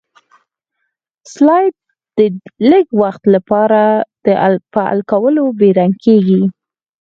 سلایډ د لږ وخت لپاره په الکولو بې رنګ کیږي.